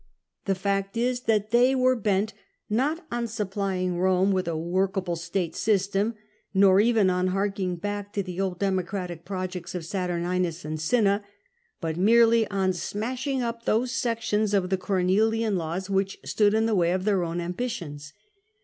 The fact is that they were bent, not on supplying Eome with a workable state system, nor even on harking back to the old Democratic projects of Saturninus and Cinna, but merely on smashing up those sections of the Cornelian Laws which stood in the way of their own ambitions.